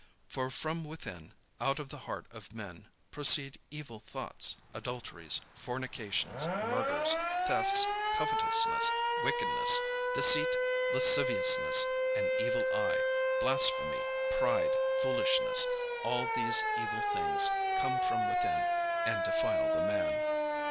For from within, out of the heart of men, proceed evil thoughts, adulteries, fornications, murders, thefts, covetousness, wickedness, deceit, lasciviousness, an evil eye, blasphemy, pride, foolishness: all these evil things come from within, and defile the man."